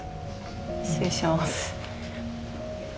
失礼します。